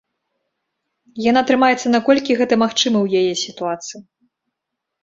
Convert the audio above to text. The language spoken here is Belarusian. Яна трымаецца, наколькі гэта магчыма ў яе сітуацыі.